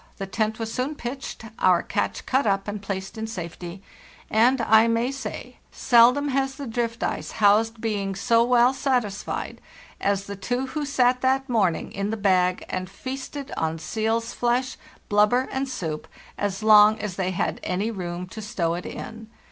The tent was soon pitched, our catch cut up and placed in safety, and, I may say, seldom has the drift ice housed beings so well satisfied as the two who sat that morning in the bag and feasted on seal's flesh, blubber, and soup as long as they had any room to stow it in.